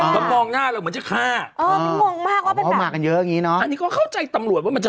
เศร้าใจเลยอะ